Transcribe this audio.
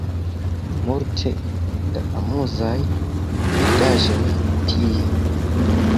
Multe da amuzaj vidaĵoj tie